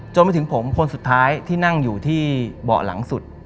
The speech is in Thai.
จนไปถึงผมคนสุดท้ายที่นั่งอยู่ที่เบาะหลังสุด